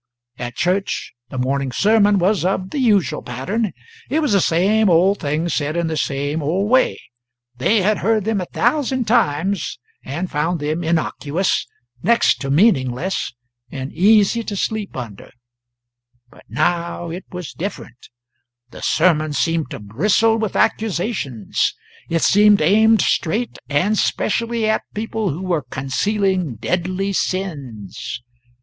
At church the morning sermon was of the usual pattern; it was the same old things said in the same old way; they had heard them a thousand times and found them innocuous, next to meaningless, and easy to sleep under; but now it was different: the sermon seemed to bristle with accusations; it seemed aimed straight and specially at people who were concealing deadly sins.